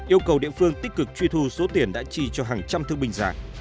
yêu cầu địa phương tích cực truy thu số tiền đã chi cho hàng trăm thương binh giả